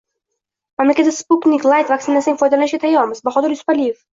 Mamlakatda Sputnik Layt vaksinasidan foydalanishga tayyormiz — Bahodir Yusupaliyev